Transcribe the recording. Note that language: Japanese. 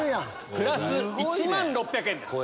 プラス１万６００円です。